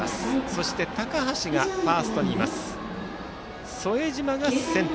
そして高橋がファーストにいます。